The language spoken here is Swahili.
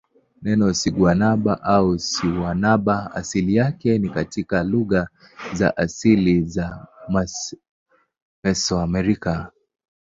Neno siguanaba au sihuanaba asili yake ni katika lugha za asili za Mesoamerica.